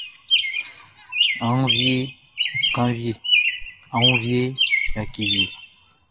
A wun vie kanvie a woun vie yaki vie.